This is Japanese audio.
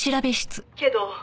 けど